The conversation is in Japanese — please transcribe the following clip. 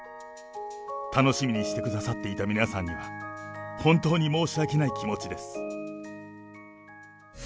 楽しみにしてくださっていた皆さんには、本当に申し訳ない気持ちです。